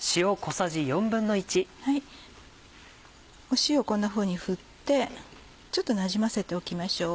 塩をこんなふうに振ってなじませておきましょう。